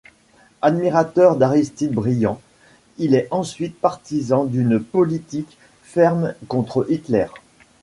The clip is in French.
Admirateur d'Aristide Briand, il est ensuite partisan d'une politique ferme contre Hitler.